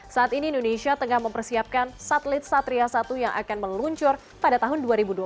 saat ini indonesia tengah mempersiapkan satelit satria satu yang akan meluncur pada tahun dua ribu dua puluh